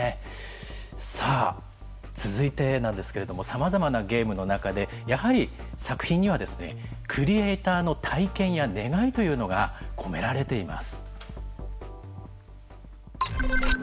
さあ、続いてなんですけれどもさまざまなゲームの中でやはり、作品にはクリエーターの体験や願いというのが込められています。